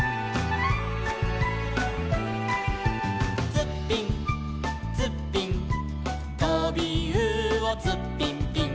「ツッピンツッピン」「とびうおツッピンピン」